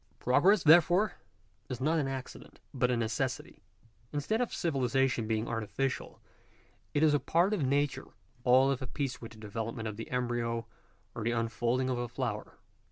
Progress, therefore, is not an accident, but a necessity. Instead of civilization being artificial, it is a part of nature ; all of a piece with the development of die embryo or the unfolding of a flower.